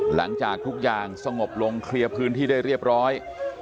หลังจากทุกอย่างสงบลงเคลียร์พื้นที่ได้เรียบร้อย